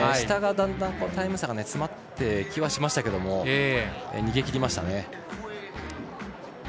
下で、だんだんタイム差が詰まってきはしましたけど逃げ切りましたね。